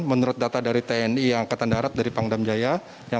menurut data dari tni angkatan darat dari pangdam jaya